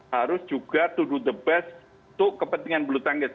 harus juga to do the best untuk kepentingan bulu tangkis